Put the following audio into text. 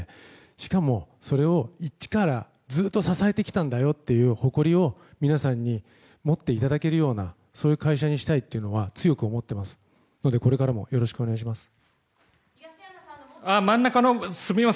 しかも、それを一からずっと支えてきたんだよっていう誇りを皆さんに持っていただけるような会社にしたいとは強く思っていますのでこれからもよろしくお願いします。